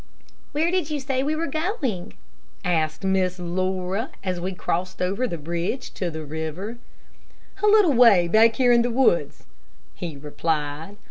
"Where did you say we were going?" asked Miss Laura, as we crossed the bridge over the river. "A little way back here in the woods," he replied.